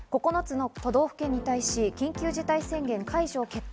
９つの都道府県に対し緊急事態宣言解除を決定。